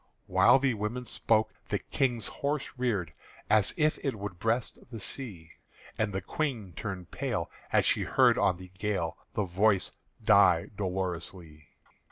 While the woman spoke, the King's horse reared As if it would breast the sea, And the Queen turned pale as she heard on the gale The voice die dolorously.